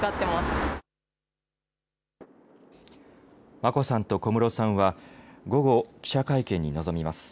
眞子さんと小室さんは、午後、記者会見に臨みます。